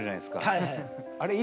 はい！